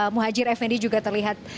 muhajir fnd juga terlihat